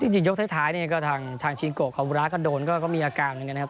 จริงยกท้ายนี่ก็ทางชิงโกคาวามูระกระโดนก็มีอาการหนึ่งกันนะครับ